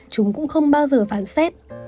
chúng cũng không bao giờ phản xét